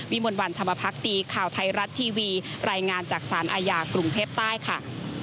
มนต์วันธรรมพักดีข่าวไทยรัฐทีวีรายงานจากสารอาญากรุงเทพใต้ค่ะ